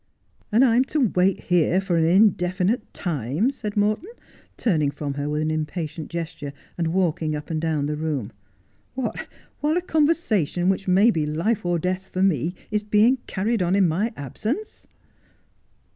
' And I am to wait here for an indefinite time 1 ' said Morton turning from her with an impatient gesture, and walking up and down the room. ' What, while a conversation which may be life or death for me is being carried on in my absence